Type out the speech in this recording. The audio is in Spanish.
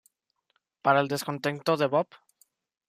Para el descontento de Bob.